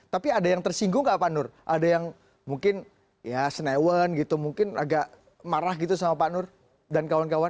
tapi ada yang tersinggung nggak pak nur ada yang mungkin ya senewen gitu mungkin agak marah gitu sama pak nur dan kawan kawan